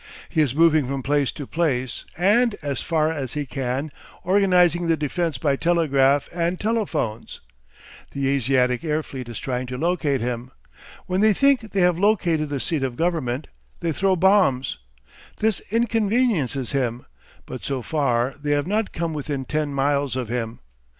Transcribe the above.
He is moving from place to place and, as far as he can, organising the defence by telegraph and telephones The Asiatic air fleet is trying to locate him. When they think they have located the seat of government, they throw bombs. This inconveniences him, but so far they have not come within ten miles of him.